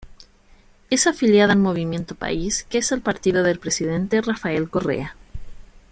Es afiliada al Movimiento País, que es el partido del presidente Rafael Correa.